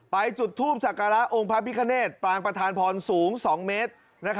จุดทูปสักการะองค์พระพิคเนตปางประธานพรสูง๒เมตร